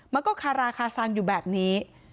มันก็คาราคาซังอยู่แบบนี้